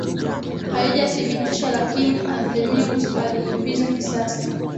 haijathibitisha lakini Anthemius alilipiza kisasi